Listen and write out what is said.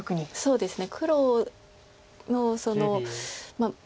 そうですね。